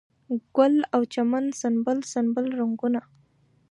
ګل او چمن سنبل، سنبل رنګونه